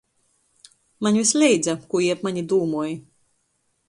Maņ vysleidza, kū jī ap mani dūmoj.